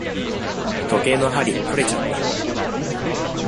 時計の針とれちゃった。